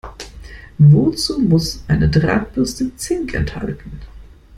Wozu muss eine Drahtbürste Zink enthalten?